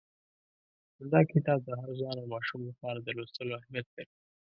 نو دا کتاب د هر ځوان او ماشوم لپاره د لوستلو اهمیت لري.